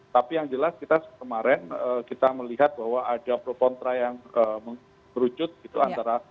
tapi yang jelas kita kemarin kita melihat bahwa ada propontera yang merucut gitu antara